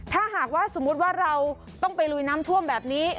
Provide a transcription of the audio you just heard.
ถ้าหากว่าสมมุติว่าเราต้องไปลุยน้ำท่วมแบบนี้